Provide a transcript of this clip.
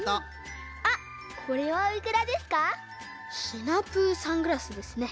シナプーサングラスですね。